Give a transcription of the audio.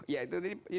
ya itu tadi